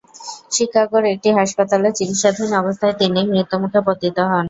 শিকাগোর একটি হাসপাতালে চিকিৎসাধীন অবস্থায় তিনি মৃত্যুমুখে পতিত হন।